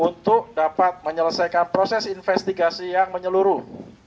untuk dapat menyelesaikan proses investigasi yang menyeluruh